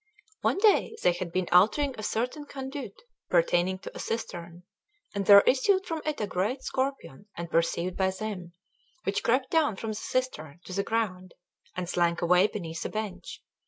One day they had been altering a certain conduit pertaining to a cistern, and there issued from it a great scorpion unperceived by them, which crept down from the cistern to the ground, and slank away beneath a bench.